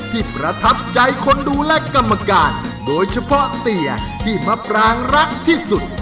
ประทับใจคนดูแลกรรมการโดยเฉพาะเตียที่มะปรางรักที่สุด